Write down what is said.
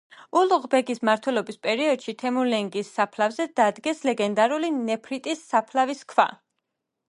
ულუღ ბეგის მმართველობის პერიოდში თემურლენგის საფლავზე დადგეს ლეგენდარული ნეფრიტის საფლავის ქვა.